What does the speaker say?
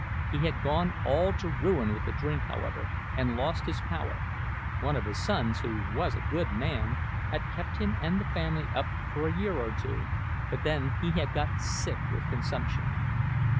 He had gone all to ruin with the drink, however, and lost his power; one of his sons, who was a good man, had kept him and the family up for a year or two, but then he had got sick with consumption.